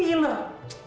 neng bangun neng